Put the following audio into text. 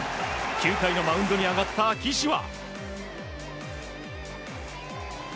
９回のマウンドに上がった岸は。